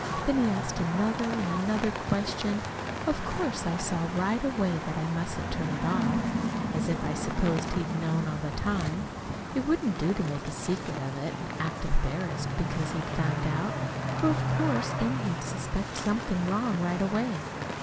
Then he asked another and another question. Of course, I saw right away that I must turn it off as if I supposed he'd known it all the time. It wouldn't do to make a secret of it and act embarrassed because he'd found it out, for of course then he'd suspect something wrong right away."